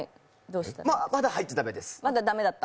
まだ入っちゃ駄目です。